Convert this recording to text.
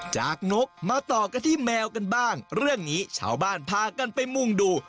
นกมาต่อกันที่แมวกันบ้างเรื่องนี้ชาวบ้านพากันไปมุ่งดู